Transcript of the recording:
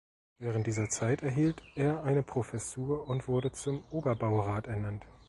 Während dieser Zeit erhielt er eine Professur und wurde zum Oberbaurat ernannt.